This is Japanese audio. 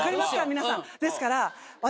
皆さんですから。